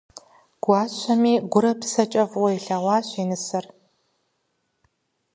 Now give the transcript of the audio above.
Гуащэми - гурэ псэкӀэ фӀыуэ илъэгъуащ и нысэр.